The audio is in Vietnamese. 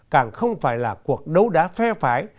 càng không phải là cuộc đấu đá phe phái